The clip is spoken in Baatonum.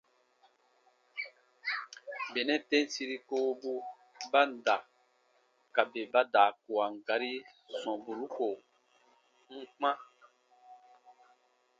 Benɛ tem siri kowobu ba n da ka bè ba daa kuwan gari sɔmburu ko n n kpã.